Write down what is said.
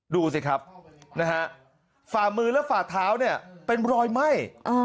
ดูสิครับนะฮะฝ่ามือและฝ่าเท้าเนี่ยเป็นรอยไหม้